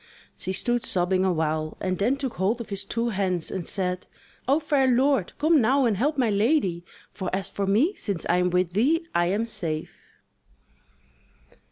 She stood sobbing awhile, and then took hold of his two hands and said: "O fair lord, come now and help my lady! for as for me, since I am with thee, I am safe."